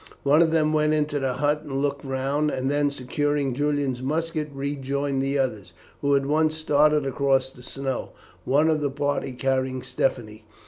One of them went into the hut, and looked round; and then securing Julian's musket, rejoined the others, who at once started across the snow, one of the party carrying Stephanie.